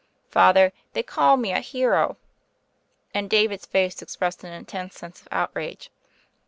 "Father, they call me a hero," and David's face expressed an intense sense of outrage.